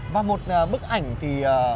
và một bức ảnh thì